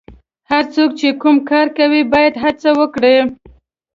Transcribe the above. هر څوک چې کوم کار کوي باید هڅه وکړي.